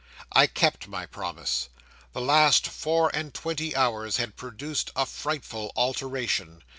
'I kept my promise. The last four and twenty hours had produced a frightful alteration.